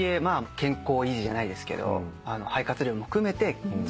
健康維持じゃないですけど肺活量も含めて水泳はいいよって。